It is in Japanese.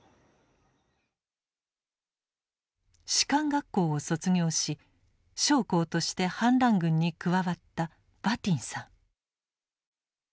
士官学校を卒業し将校として反乱軍に加わったバティンさん。